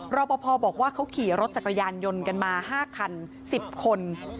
รอปภบอกว่าเขาขี่รถจักรยานยนต์กันมา๕คัน๑๐คน